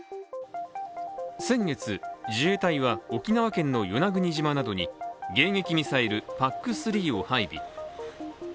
先月、自衛隊は沖縄県の与那国島などに迎撃ミサイルＰＡＣ−３を配備。